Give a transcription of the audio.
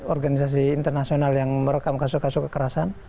organisasi internasional yang merekam kasus kasus kekerasan